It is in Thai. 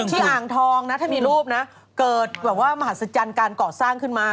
อ่างทองนะถ้ามีรูปนะเกิดแบบว่ามหัศจรรย์การก่อสร้างขึ้นมา